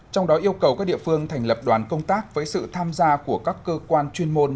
trong đó yêu cầu các địa phương thành lập đoàn công tác với sự tham gia của các cơ quan chuyên môn